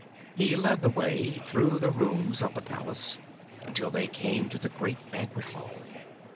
He led the way through the rooms of the palace until they came to the great banquet hall.